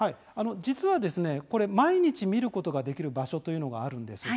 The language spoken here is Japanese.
実は毎日見ることができる場所というのがあるんです。